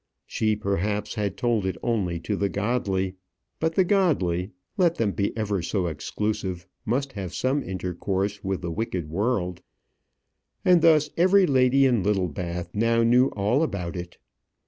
She, perhaps, had told it only to the godly; but the godly, let them be ever so exclusive, must have some intercourse with the wicked world; and thus every lady in Littlebath now knew all about it.